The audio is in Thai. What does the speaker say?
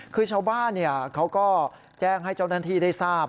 คือชาวบ้านเขาก็แจ้งให้เจ้าหน้าที่ได้ทราบ